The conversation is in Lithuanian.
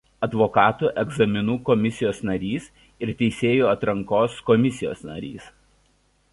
Advokatų egzaminų komisijos narys ir teisėjų Atrankos komisijos narys.